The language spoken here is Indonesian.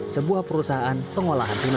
sebuah perusahaan pengolahan tuna